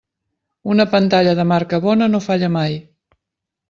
Una pantalla de marca bona no falla mai.